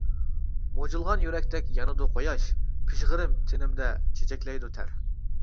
مۇجۇلغان يۈرەكتەك يانىدۇ قۇياش، پىژغىرىم تېنىمدە چېچەكلەيدۇ تەر.